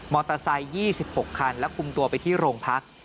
ไซค์๒๖คันและคุมตัวไปที่โรงพัก